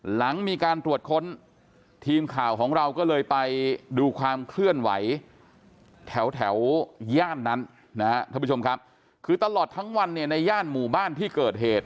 หลังมีการตรวจค้นทีมข่าวของเราก็เลยไปดูความเคลื่อนไหวแถวย่านนั้นนะฮะท่านผู้ชมครับคือตลอดทั้งวันเนี่ยในย่านหมู่บ้านที่เกิดเหตุ